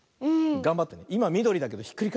がんばって。